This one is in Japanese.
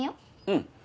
うん。